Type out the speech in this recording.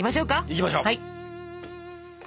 いきましょう！